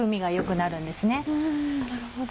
なるほど。